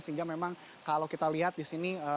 sehingga memang kalau kita lihat disini